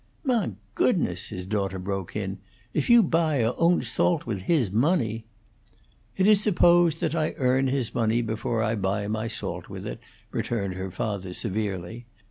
"Mah goodness!" his daughter broke in. "If you bah your own salt with his money " "It is supposed that I earn his money before I buy my salt with it," returned her father, severely.